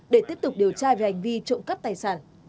để tiếp tục điều tra về hành vi trộm cắp tài sản